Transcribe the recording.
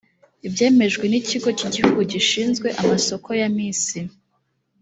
byemejwe n ikigo cy igihugu gishinzwe amasoko ya misi